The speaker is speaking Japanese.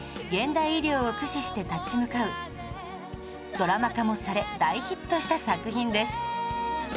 ドラマ化もされ大ヒットした作品です